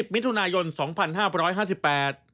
๓๐มิถุนายน๒๕๕๘บาท